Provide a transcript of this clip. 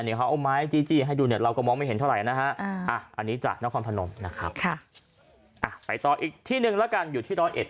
นับนึงเอาไม้จี้ให้ดู